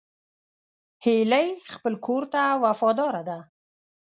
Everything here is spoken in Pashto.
هیلۍ خپل کور ته وفاداره ده